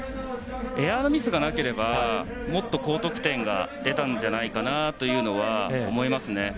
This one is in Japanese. エアミスがなければもっと高得点が出たんじゃないかなと思いますね。